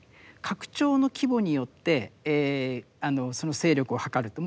拡張の規模によってその勢力を図ると。